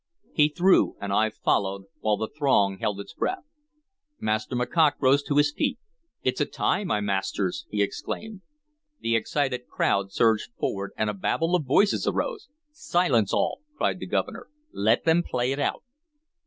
He threw, and I followed, while the throng held its breath. Master Macocke rose to his feet. "It's a tie, my masters!" he exclaimed. The excited crowd surged forward, and a babel of voices arose. "Silence, all!" cried the Governor. "Let them play it out!"